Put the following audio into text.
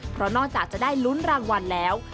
เพราะนอกจากจะได้ลุ้นรางวัลแล้ว